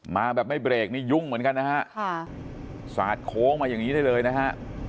มาแบบไม่เบรกนี่ยุ่งเหมือนกันนะฮะค่ะสาดโค้งมาอย่างนี้ได้เลยนะฮะ